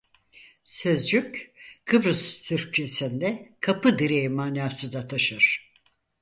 Sözcük Kıbrıs Türkçesinde kapı direği manası da taşır.